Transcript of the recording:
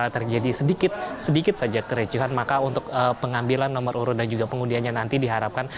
terjadi sedikit sedikit saja kericuhan maka untuk pengambilan nomor urut dan juga pengundiannya nanti diharapkan